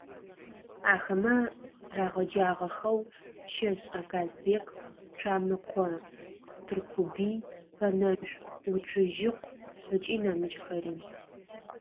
Ахэмэ рагъэджагъэхэу ЩэшӀэ Казбек, Цуамыкъо Тыркубый, Пэнэшъу Уцужьыкъу ыкӏи нэмыкӏхэри.